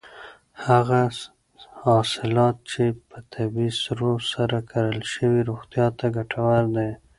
هغه حاصلات چې په طبیعي سرو سره کرل شوي روغتیا ته ګټور دي.